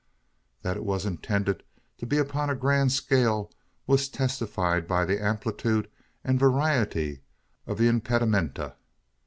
That it was intended to be upon a grand scale, was testified by the amplitude and variety of the impedimenta.